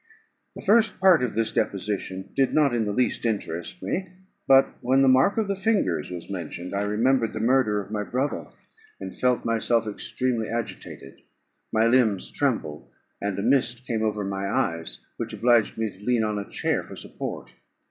The first part of this deposition did not in the least interest me; but when the mark of the fingers was mentioned, I remembered the murder of my brother, and felt myself extremely agitated; my limbs trembled, and a mist came over my eyes, which obliged me to lean on a chair for support.